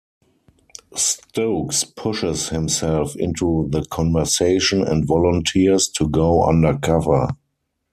Stokes pushes himself into the conversation and volunteers to go undercover.